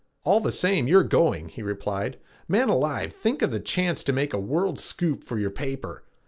"All the same, you're going," he replied. "Man alive, think of the chance to make a world scoop for your paper!